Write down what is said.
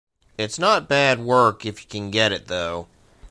It's not bad work if you can get it, though.